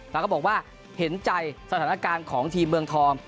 แล้วก็บอกว่าเห็นใจสถานการณ์ของทีมเมืองทอง